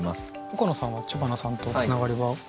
岡野さんは知花さんとつながりはありますか？